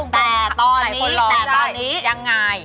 แต่ตอนนี้ยังไง